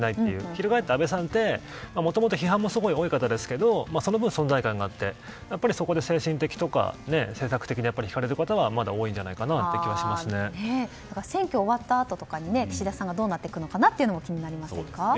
翻って安倍さんってもともと批判もすごい多い方ですけどその分、存在感があってそこで精神的にとか政策的に引かれる方はまだ多いんじゃないかと選挙が終わったあとに岸田さんがどうなるのかも気になりますね。